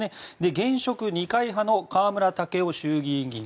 現職、二階派の河村建夫衆議院議員。